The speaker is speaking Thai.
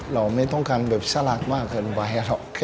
เราไม่ต้องการแบบสลากมากเกินไปหรอก